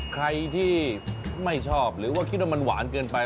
ใครที่ไม่ชอบหรือว่าคิดว่ามันหวานเกินไป